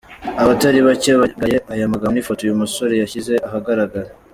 Abatari bake bagaye aya magambo n’ifoto uyu musore yashyize ahagaragara.